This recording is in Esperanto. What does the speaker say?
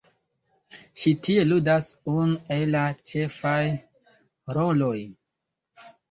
Ŝi tie ludas unu el la ĉefaj roloj.